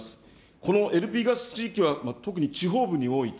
このＬＰガス地域は特に地方部に多いと。